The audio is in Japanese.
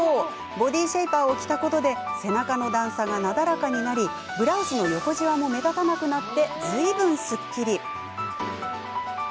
ボディシェイパーを着たことで背中の段差がなだらかになりブラウスの横じわも目立たなくなってずいぶん、すっきり。